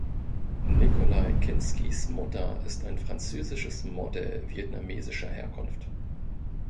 Nikolai Kinskis Mutter ist ein französisches Model vietnamesischer Herkunft.